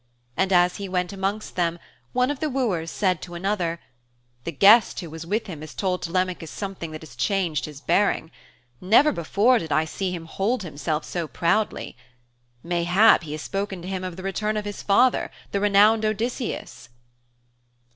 And as he went amongst them one of the wooers said to another, 'The guest who was with him has told Telemachus something that has changed his bearing. Never before did I see him hold himself so proudly. Mayhap he has spoken to him of the return of his father, the renowned Odysseus.'